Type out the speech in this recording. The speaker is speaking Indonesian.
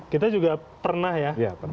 kita juga pernah ya